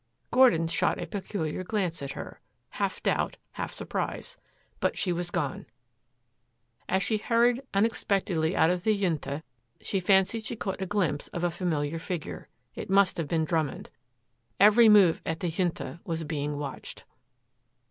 Gordon shot a peculiar glance at her half doubt, half surprise. But she was gone. As she hurried unexpectedly out of the Junta she fancied she caught a glimpse of a familiar figure. It must have been Drummond. Every move at the Junta was being watched.